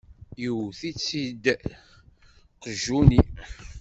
Yewwet-itt-id qjuni!